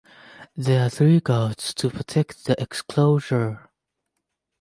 There are three guards to protect the exclosure.